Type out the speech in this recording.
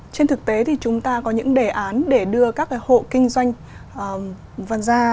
trên thực tế thì chúng ta có những đề án để đưa các cái hộ kinh doanh văn ra